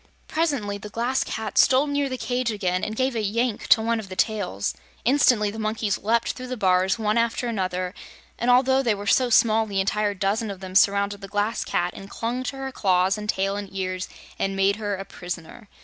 Presently the Glass Cat stole near the cage again and gave a yank to one of the tails. Instantly the monkeys leaped through the bars, one after another, and although they were so small the entire dozen of them surrounded the Glass Cat and clung to her claws and tail and ears and made her a prisoner.